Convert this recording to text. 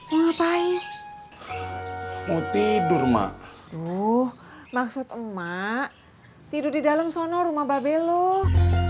ngapain mau tidur mak tuh maksud emak tidur di dalam sono rumah babel uh